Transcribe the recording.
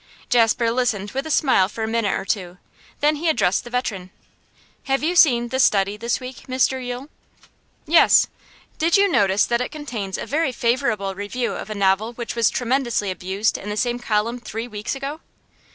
Jasper listened with a smile for a minute or two, then he addressed the veteran.'Have you seen The Study this week, Mr Yule?' 'Yes.' 'Did you notice that it contains a very favourable review of a novel which was tremendously abused in the same columns three weeks ago?